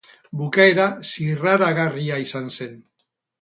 Bukaera zirraragarria izan zen.